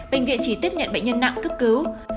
bệnh viện chỉ tiếp nhận bệnh nhân nặng cấp cứu